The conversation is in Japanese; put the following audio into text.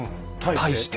対して？